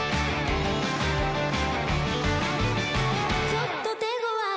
ちょっと手強い